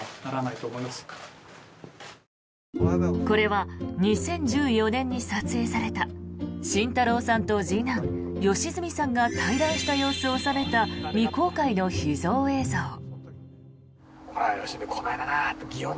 これは２０１４年に撮影された慎太郎さんと次男・良純さんが対談した様子を収めた未公開の秘蔵映像。